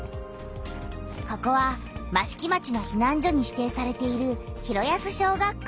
ここは益城町のひなん所に指定されている広安小学校。